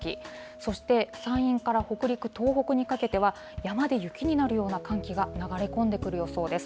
そして山陰から北陸、東北にかけては、山で雪になるような寒気が流れ込んでくる予想です。